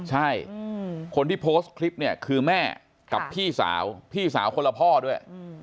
ใช่คนที่โพสต์คลิปเนี่ยคือแม่กับพี่สาวพี่สาวคนละพ่อด้วย